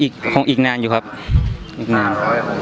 คงอีกนานอยู่ครับอีกนาน